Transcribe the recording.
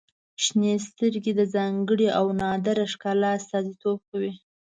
• شنې سترګې د ځانګړي او نادره ښکلا استازیتوب کوي.